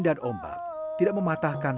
dan daya pulang do prison